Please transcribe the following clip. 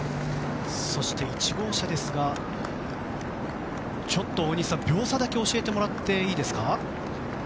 そして１号車ですがちょっと大西さん秒差だけ教えてもらっていいですか。